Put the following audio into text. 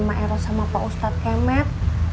maero sama pak ustadz kemet